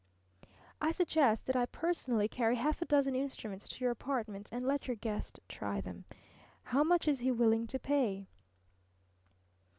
"I suggest that I personally carry half a dozen instruments to your apartment and let your guest try them. How much is he willing to pay?"